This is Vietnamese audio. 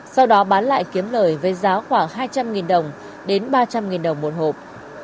sau đó bán lại kiếm lời với giá khoảng hai trăm linh đồng đến ba trăm linh đồng một hộp